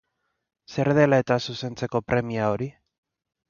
Zer dela eta zuzentzeko premia hori?